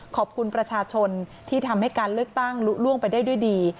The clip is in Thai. ขอบคุณประชาชนที่ทำให้การเลือกตั้งลุล่วงไปได้ด้วยดี